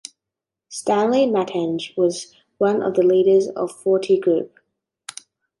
Stanley Mathenge was one of the leaders of Forty Group.